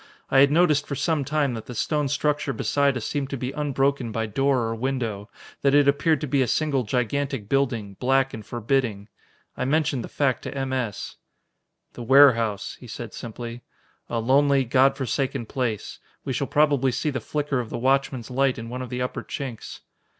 I had noticed for some time that the stone structure beside us seemed to be unbroken by door or window that it appeared to be a single gigantic building, black and forbidding. I mentioned the fact to M. S. "The warehouse," he said simply. "A lonely, God forsaken place. We shall probably see the flicker of the watchman's light in one of the upper chinks."